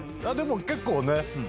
でも結構ね。